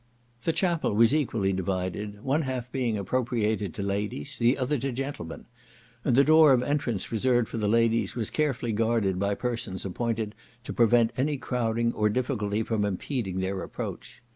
The chapel was equally divided, one half being appropriated to ladies, the other to gentlemen; and the door of entrance reserved for the ladies was carefully guarded by persons appointed to prevent any crowding or difficulty from impeding their approach.